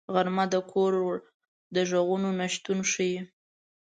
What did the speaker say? غرمه د کور د غږونو نه شتون ښيي